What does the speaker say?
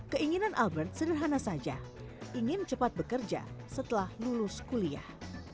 keinginan albert sederhana saja ingin cepat bekerja setelah lulus kuliah